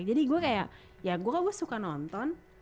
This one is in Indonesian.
jadi gue kaya ya gue kan suka nonton